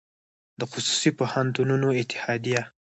د خصوصي پوهنتونونو اتحادیه